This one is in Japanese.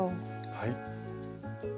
はい。